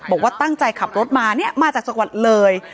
บอกว่าตั้งใจขับรถมาเนี่ยมาจากจังหวัดเลย